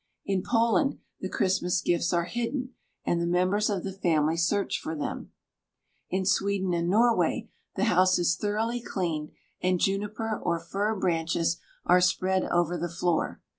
In Poland, the Christmas gifts are hidden, and the members of the family search for them. In Sweden and Norway, the house is thoroughly cleaned, and juniper or fir branches are spread over the floor.